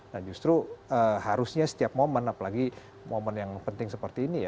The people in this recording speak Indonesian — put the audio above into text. nah justru harusnya setiap momen apalagi momen yang penting seperti ini ya